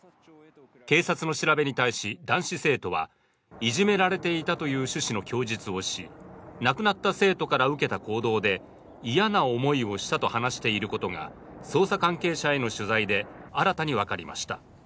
警察の調べに対し、男子生徒はいじめられていたという趣旨の供述をし亡くなった生徒から受けた行動で嫌な思いをしたと話していることが捜査関係者への取材で新たに分かりました。